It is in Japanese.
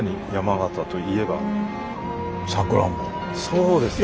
そうですね。